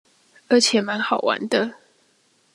而且滿好玩的